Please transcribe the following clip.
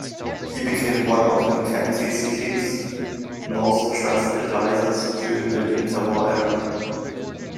He became one of Mackenzie King's most trusted advisors during the inter-war era.